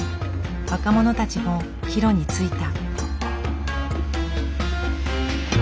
若者たちも帰路についた。